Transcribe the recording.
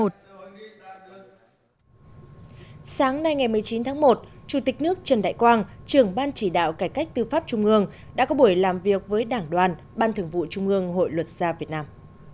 sáng nay ngày một mươi chín tháng một chủ tịch nước trần đại quang trưởng ban chỉ đạo cải cách tư pháp trung ương đã có buổi làm việc với đảng đoàn ban thường vụ trung ương hội luật gia việt nam